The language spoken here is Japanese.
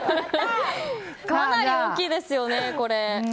かなり大きいですよね、これ。